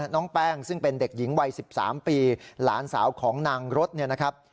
น้องแป้งซึ่งเป็นเด็กหญิงวัย๑๓ปีหลานสาวของนางรถเนี่ยนะครับ